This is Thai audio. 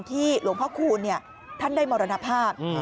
หลวงพ่อคูณท่านได้มรณภาพ